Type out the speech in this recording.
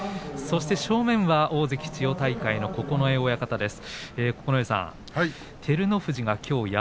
そして正面大関千代大海の九重親方です。